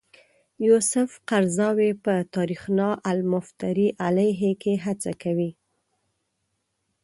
یوسف قرضاوي په تاریخنا المفتری علیه کې هڅه کوي.